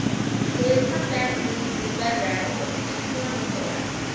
They had come back bruised and bedraggled, and torn with thorns.